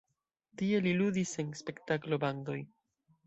Tie li ludis en spektaklo-bandoj.